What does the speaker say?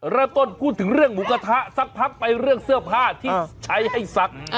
เริ่มต้นพูดถึงเรื่องหมูกระทะสักพักไปเรื่องเสื้อผ้าที่ใช้ให้ซัก